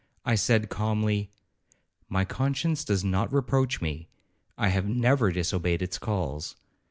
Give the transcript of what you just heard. I said calmly, 'My conscience does not reproach me,—I have never disobeyed its calls.